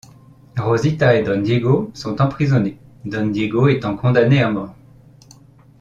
Rosita et Don Diego sont emprisonnés, Don Diego étant condamné à mort.